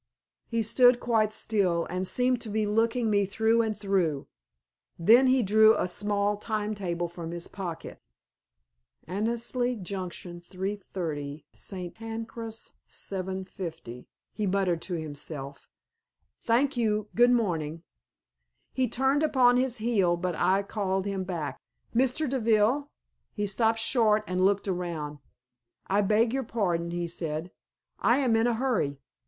He stood quite still, and seemed to be looking me through and through. Then he drew a small time table from his pocket. "Annesly Junction, 3.30; St. Pancras, 7.50," he muttered to himself. "Thank you; good morning." He turned upon his heel, but I called him back. "Mr. Deville." He stopped short and looked round. "I beg your pardon," he said; "I am in a hurry."